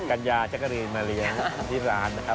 กัญญาแจ๊กกะรีนมาเลี้ยงที่ร้านนะครับ